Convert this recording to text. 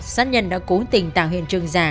sát nhân đã cố tình tạo hiện trường ra